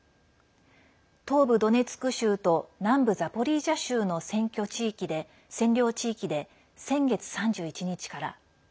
東部ドネツク州と南部ザポリージャ州の占領地域で先月３１日から。